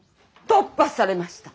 突破されました。